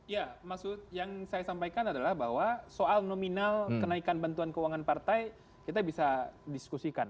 ya maksud yang saya sampaikan adalah bahwa soal nominal kenaikan bantuan keuangan partai kita bisa diskusikan